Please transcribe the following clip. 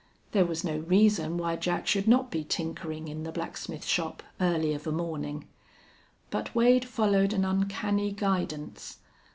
There was no reason why Jack should not be tinkering in the blacksmith shop early of a morning. But Wade followed an uncanny guidance.